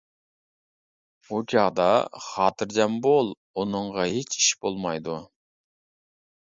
ئۇ چاغدا. —خاتىرجەم بول، ئۇنىڭغا ھېچ ئىش بولمايدۇ.